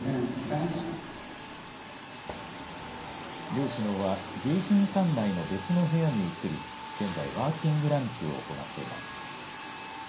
両首脳は迎賓館内の別の部屋に移り現在、ワーキングランチを行っています。